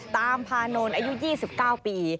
ตามพาโนนอายุ๒๙ปี